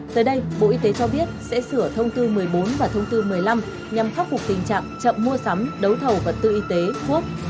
tới đây bộ y tế cho biết sẽ sửa thông tư một mươi bốn và thông tư một mươi năm nhằm khắc phục tình trạng chậm mua sắm đấu thầu vật tư y tế thuốc